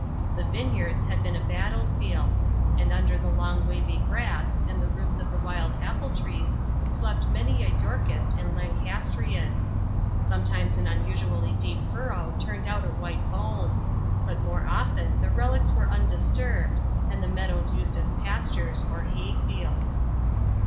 The Vineyards had been a battle field; and under the long wavy grass, and the roots of the wild apple trees, slept many a Yorkist and Lancastrian. Sometimes an unusually deep furrow turned out a white bone but more often the relics were undisturbed, and the meadows used as pastures or hay fields.